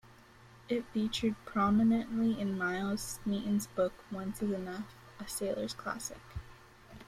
It featured prominently in Miles Smeeton's book "Once Is Enough", a sailor's classic.